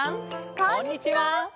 こんにちは。